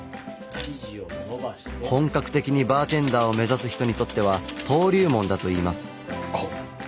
本格的にバーテンダーを目指す人にとっては登竜門だといいます。